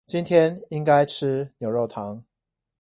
今天應該吃牛肉湯